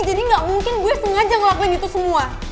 jadi gak mungkin gue sengaja ngelakuin itu semua